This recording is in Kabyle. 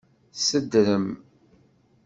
Sedrem.